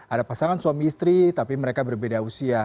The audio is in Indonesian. ada pasangan suami istri tapi mereka berbeda usia